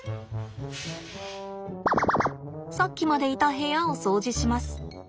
さっきまでいた部屋を掃除します。